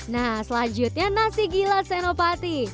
nah selanjutnya nasi gila senopati